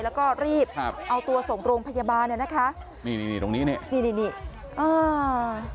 แล้วก็รีบครับเอาตัวส่งโรงพยาบาลเนี่ยนะคะนี่นี่ตรงนี้นี่นี่นี่นี่อ่า